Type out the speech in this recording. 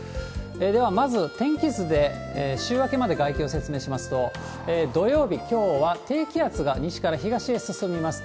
では、まず、天気図で週明けまで概況を説明しますと、土曜日、きょうは低気圧が西から東へ進みます。